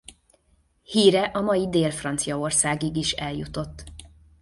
Híre a mai Dél-Franciaországig is eljutott.